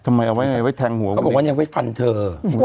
ทำไมเอาไว้ไงไว้แทงหัวเค้าบอกว่าเนี้ยไว้ฟันเธออุ๊ย